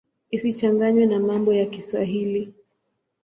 Isichanganywe na mambo ya Kiswahili.